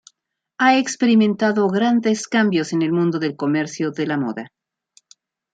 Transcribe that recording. Ha experimentado grandes cambios en el mundo del comercio de la moda.